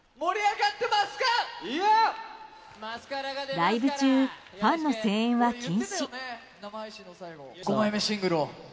ライブ中ファンの声援は禁止。